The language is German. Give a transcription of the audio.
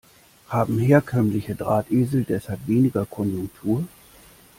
Haben herkömmliche Drahtesel deshalb weniger Konjunktur?